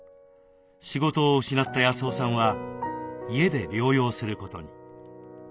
仕事を失った康雄さんは家で療養することに。